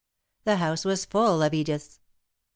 The house was full of Ediths.